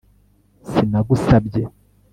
sinagusabye